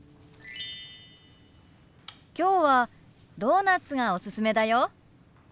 今日はドーナツがおすすめだよ。